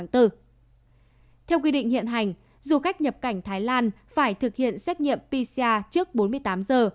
theo quy định hiện hành du khách nhập cảnh thái lan phải thực hiện xét nghiệm pcr trước bốn mươi tám giờ